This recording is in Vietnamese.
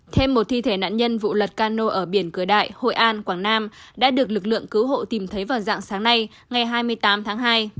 thêm một thi thể nạn nhân vụ lật cano ở biển cửa đại hội an quảng nam đã được lực lượng cứu hộ tìm thấy vào dạng sáng nay ngày hai mươi tám tháng hai